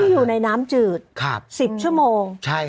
อยู่ในน้ำจืด๑๐ชั่วโมง